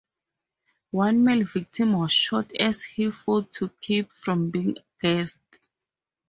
One male victim was shot as he fought to keep from being gassed.